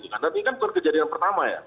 karena ini kan kejadian pertama ya